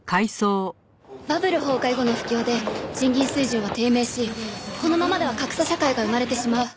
バブル崩壊後の不況で賃金水準は低迷しこのままでは格差社会が生まれてしまう。